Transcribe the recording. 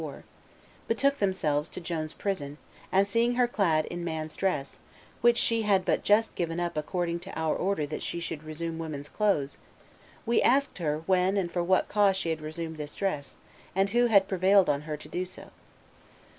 454] betook themselves to Joan's prison, and seeing her clad in man's dress, 'which she had but just given up according to our order that she should resume woman's clothes, we asked her when and for what cause she had resumed this dress, and who had prevailed on her to do so.